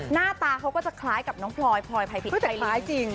หน้าตาเขาก็จะคล้ายกับน้องปลอยโพยไพลี้แฮลีน